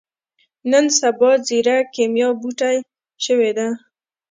نن سبا ځيره کېميا بوټی شوې ده.